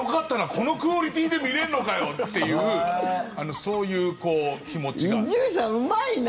このクオリティーで見れるのかよっていう伊集院さん、うまいな。